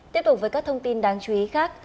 tiếp tục với các thông tin đáng chú ý khác